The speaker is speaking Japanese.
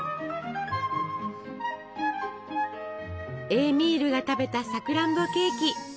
エーミールが食べたさくらんぼケーキ。